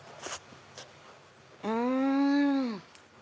うん！